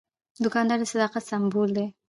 دوکاندار د صداقت سمبول دی.